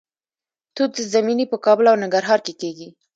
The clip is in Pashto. توت زمینی په کابل او ننګرهار کې کیږي.